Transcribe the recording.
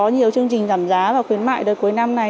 có nhiều chương trình giảm giá và khuyến mại đợt cuối năm này